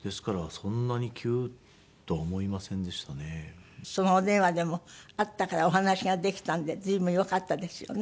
そのお電話でもあったからお話ができたんで随分よかったですよね。